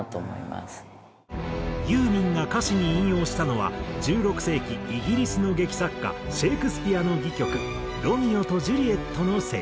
ユーミンが歌詞に引用したのは１６世紀イギリスの劇作家シェイクスピアの戯曲『ロミオとジュリエット』のセリフ。